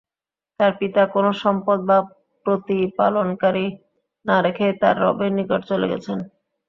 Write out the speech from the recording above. তাঁর পিতা কোন সম্পদ বা প্রতিপালনকারী না রেখেই তার রবের নিকট চলে গেছেন।